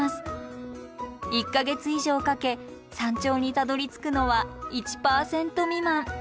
１か月以上かけ山頂にたどりつくのは１％未満。